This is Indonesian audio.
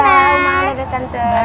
udah malam ada tante